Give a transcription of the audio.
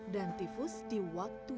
dan tifus di waktu